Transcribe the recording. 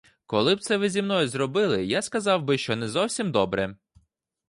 Коли б це ви зі мною зробили, я сказав би, що не зовсім добре.